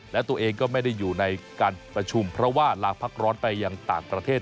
และตัวเองก็ไม่ได้อยู่ในการประชุมเพราะว่าลาพักร้อนไปยังต่างประเทศ